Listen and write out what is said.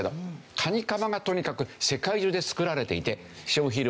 カニカマがとにかく世界中で作られていて消費量